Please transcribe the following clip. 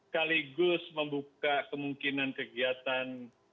kaligus membuka kemungkinan kegiatan